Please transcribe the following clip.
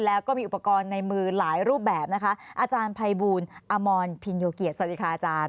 แล้วก็มีอุปกรณ์ในมือหลายรูปแบบนะคะอาจารย์ภัยบูลอมรพินโยเกียรติสวัสดีค่ะอาจารย์